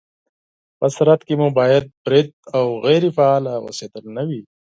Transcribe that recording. په بدن کې مو باید برید او غیرې فعاله اوسېدل نه وي